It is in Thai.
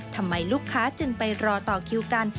ทำไมลูกค้าจึงไปรอต่อคิวกัน